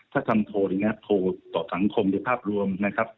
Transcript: ถ้าทำโทรอย่างนี้โทรต่อสังคมโดยภาพรวมนะครับ